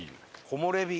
木漏れ日。